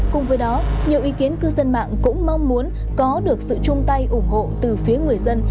cùng với đó nhiều ý kiến cư dân mạng cũng mong muốn có được sự chung tay ủng hộ từ phía người dân